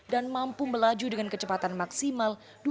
dan mampu melaju dengan kecepatan maksimal